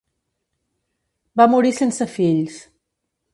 Va morir sense fills.